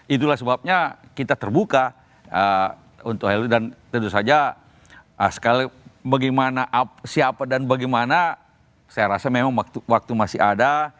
itulah sebabnya kita terbuka untuk hal ini dan tentu saja sekali bagaimana siapa dan bagaimana saya rasa memang waktu masih ada